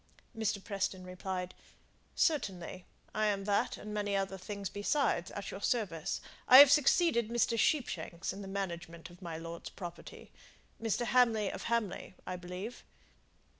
Mr. Preston replied, "Certainly. I am that and many other things besides, at your service. I have succeeded Mr. Sheepshanks in the management of my lord's property. Mr. Hamley of Hamley, I believe?"